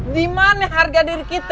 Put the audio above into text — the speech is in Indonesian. dimana harga diri kita